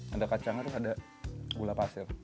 ada kacangnya terus ada gula pasir